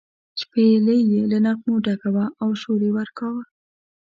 شپېلۍ یې له نغمو ډکه وه او شور یې ورکاوه.